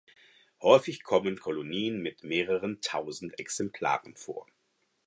Häufig kommen Kolonien mit mehreren tausend Exemplaren vor.